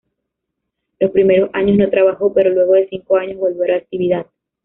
Los primeros años no trabajó pero luego de cinco años volvió a la actividad.